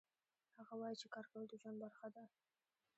هغه وایي چې کار کول د ژوند برخه ده